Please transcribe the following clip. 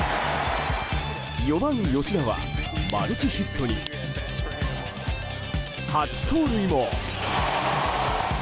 ４番、吉田はマルチヒットに初盗塁も。